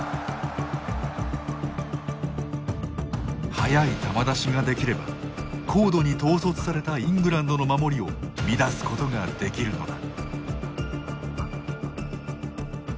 早い球出しができれば高度に統率されたイングランドの守りを乱すことが出来るのだ。